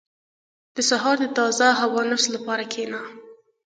• د سهار د تازه هوا تنفس لپاره کښېنه.